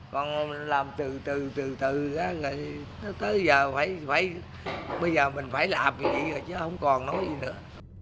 còn làm từ từ từ từ tới giờ mình phải làm như vậy rồi chứ không còn nói gì nữa